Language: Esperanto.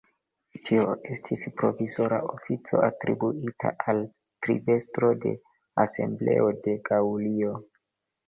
Tio estis provizora ofico atribuita al tribestro de Asembleo de Gaŭlio.